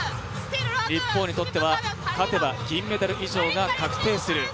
日本にとっては、勝てば銀メダル以上が確定する。